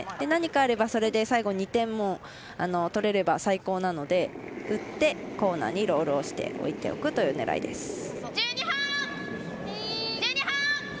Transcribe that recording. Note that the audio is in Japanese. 何かあれば、それで最後２点も取れれば最高なので打ってコーナーにロールをして置いておくという狙いです。